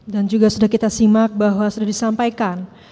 dan juga sudah kita simak bahwa sudah disampaikan